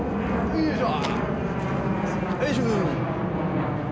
よいしょ！